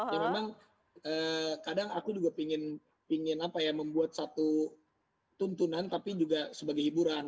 ya memang kadang aku juga ingin membuat satu tuntunan tapi juga sebagai hiburan